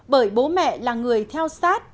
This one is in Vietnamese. bởi bố mẹ là người theo sát